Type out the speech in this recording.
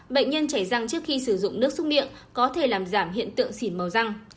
bệnh nhân chảy răng trước khi sử dụng nước xúc miệng có thể làm giảm hiện tượng xỉn màu răng